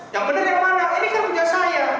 yang bener yang mana ini kan punya saya